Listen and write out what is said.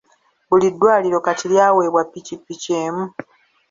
Buli ddwaliro kati lyaweebwa ppikippiki emu.